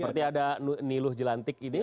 seperti ada niluh jelantik ini